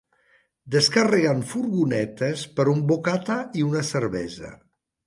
Descarregant furgonetes per un bocata i una cervesa.